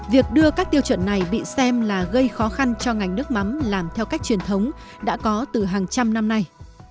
việc đưa các tiêu chuẩn này bị xem là gây khó khăn cho ngành nước mắm làm theo cách truyền thống đã có từ hàng trăm năm nay